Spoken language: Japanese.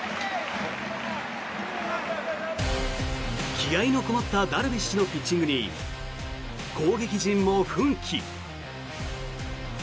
気合のこもったダルビッシュのピッチングに攻撃陣も奮起。